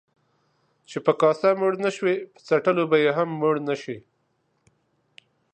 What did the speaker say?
چي په کاسه موړ نسوې ، په څټلو به يې هم موړ نسې.